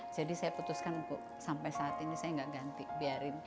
jadi saya putuskan sampai saat ini saya tidak ganti